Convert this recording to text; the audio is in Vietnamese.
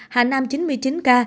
hà năng một trăm hai mươi một ca